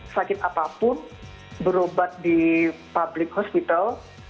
sakit apapun berobat di public hospital